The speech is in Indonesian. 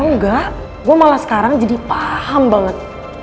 enggak gue malah sekarang jadi paham banget